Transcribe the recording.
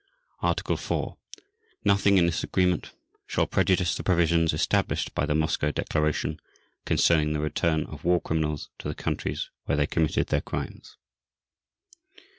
Article 4. Nothing in this Agreement shall prejudice the provisions established by the Moscow Declaration concerning the return of war criminals to the countries where they committed their crimes.